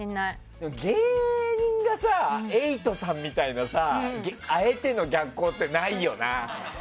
芸人がさ、瑛人さんみたいなさあえての逆光ってないよな。